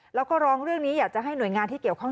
แล้วก็ร้องเรื่องนี้อยากจะให้หน่วยงานที่เกี่ยวข้อง